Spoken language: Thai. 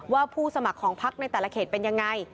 ผู้สมัครของพักในแต่ละเขตเป็นยังไง